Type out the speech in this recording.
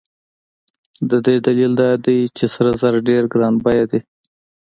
د دې دلیل دا دی چې سره زر ډېر ګران بیه دي.